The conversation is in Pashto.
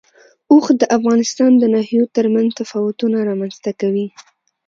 اوښ د افغانستان د ناحیو ترمنځ تفاوتونه رامنځ ته کوي.